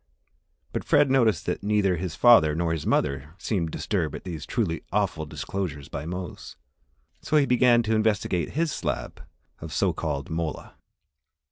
But Fred noticed that neither his father or mother seemed disturbed at these truly awful disclosures by Mose, so he began to investigate his slab of so called mola.